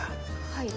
はい。